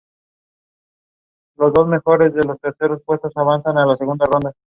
Durante esos shows, Cale cantaba y tocaba el órgano y Tucker tocaba el bajo.